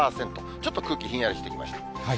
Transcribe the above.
ちょっと空気ひんやりしてきました。